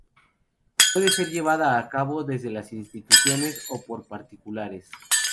Puede ser llevada a cabo desde las instituciones o por particulares.